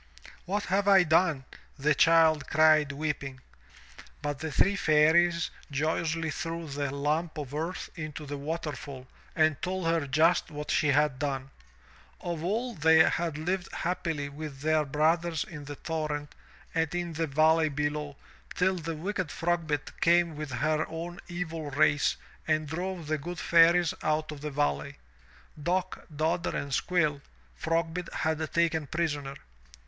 "What have I done? the child cried weeping. But the three Fairies joyously threw the lump of earth into the waterfall and told her just what she had done. Of old they had lived happily with their brothers in the torrent and in the valley below till the wicked Frogbit came with her own evil race and drove the good Fairies out of the valley. Dock, Dodder and Squill, Frogbit had taken prisoner.